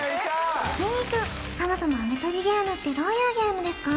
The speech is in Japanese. きんに君そもそも飴取りゲームってどういうゲームですか？